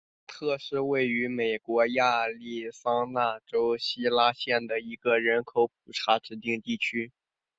卡特是位于美国亚利桑那州希拉县的一个人口普查指定地区。